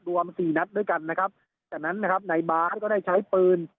รวมสี่นัดด้วยกันนะครับจากนั้นนะครับนายบาทก็ได้ใช้ปืน